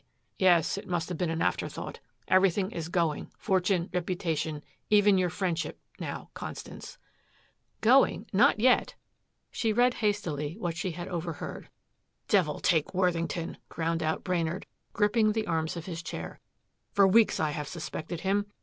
"Yes. It must have been an afterthought. Everything is going fortune, reputation even your friendship, now, Constance " "Going? Not yet." She read hastily what she had overheard. "Devil take Worthington," ground out Brainard, gripping the arms of his chair. "For weeks I have suspected him.